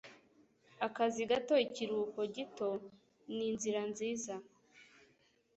akazi gato, ikiruhuko gito, ninzira nziza